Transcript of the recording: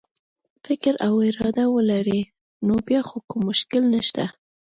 فکر او اراده ولري نو بیا خو کوم مشکل نشته.